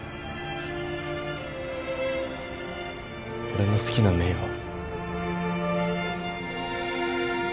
俺の好きなメイは。